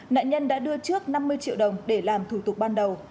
nạn nhân đã đưa trước năm mươi triệu đồng để làm thủ tục ban đầu